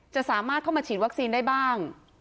จะสามารถเข้ามาฉีดวัคซีนได้บ้าง